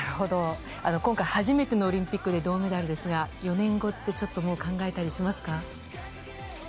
今回、初めてのオリンピックで銅メダルですが４年後ってもう考えたりしますか？